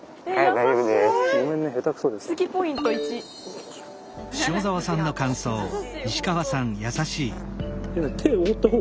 大丈夫です。